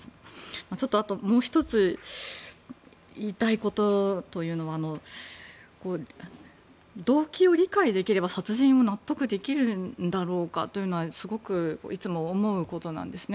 ちょっとあともう１つ言いたいことというのは動機を理解できれば殺人を納得できるんだろうかというのはすごくいつも思うことなんですね